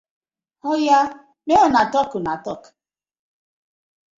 Oya mek una talk una talk.